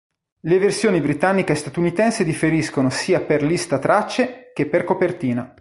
Le versioni britannica e statunitense differiscono sia per lista tracce che per copertina.